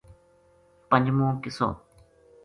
پنجمو قصو